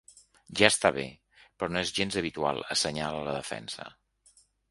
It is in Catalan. Ja està bé, però no és gens habitual, assenyala la defensa.